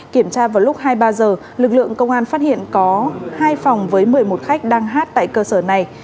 kiểm tra vào lúc hai mươi ba h lực lượng công an phát hiện có hai phòng với một mươi một khách đang hát tại cơ sở này